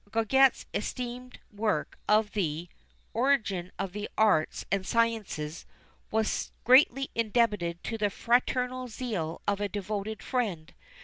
Goguet's esteemed work of the "Origin of the Arts and Sciences" was greatly indebted to the fraternal zeal of a devoted friend.